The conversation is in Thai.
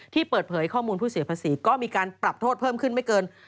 เปิดเผยข้อมูลผู้เสียภาษีก็มีการปรับโทษเพิ่มขึ้นไม่เกิน